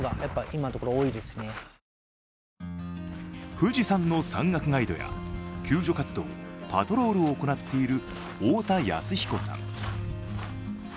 富士山の山岳ガイドや救助活動パトロールを行っている大田安彦さん。